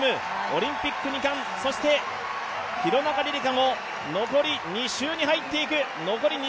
オリンピック２冠、そして廣中璃梨佳も残り２周に入っていく。